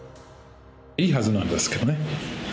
いいはずなんですけどね。